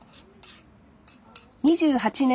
２８年